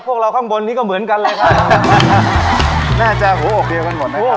พวกเราข้างบนนี้ก็เหมือนกันแหละค่ะน่าจะโอ้โหโอเคกันหมดนะครับ